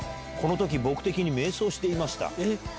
このとき、僕的に迷走していました。